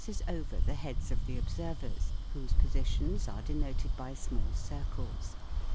s over the heads of (he observers, whose positions are denoted by small circles.